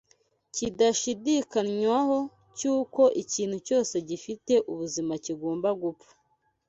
kidashidikanywaho cy’uko ikintu cyose gifite ubuzima kigomba gupfa